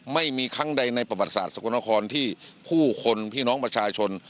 ไม่มีครั้งใดในประวัติศาสกลนครที่ผู้คนพี่น้องประชาชน